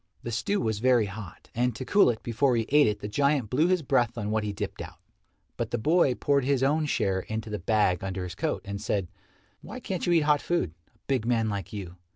The stew was very hot, and to cool it before he ate it the giant blew his breath on what he dipped out. But the boy poured his own share into the bag under his coat, and said, "Why can't you eat hot food a big man like you?